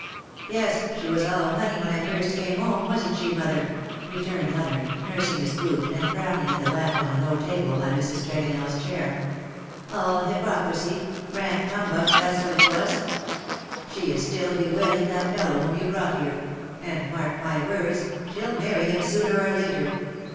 ^^" Yes, she was all honey when I first came home, wasn^t she, mother?" returned Leonard, nursing his boot, and frowning at the lamp on the low table by Mrs. TregonelFs chair. '^'^All hypocrisy — rank hum bug — that^s what it was. She is still bewailing that fellow whom you brought here — and, mark my words, she^ll marry him sooner or later.